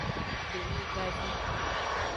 Tomegavi.